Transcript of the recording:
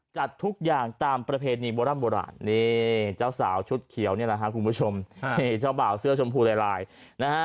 จัดทุกอย่างตามประเพณีโบร่ำโบราณนี่เจ้าสาวชุดเขียวนี่แหละครับคุณผู้ชมนี่เจ้าบ่าวเสื้อชมพูลายลายนะฮะ